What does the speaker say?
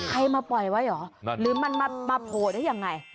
ใครมาปล่อยไว้เหรอหรือมันมาโผล่ได้ยังไง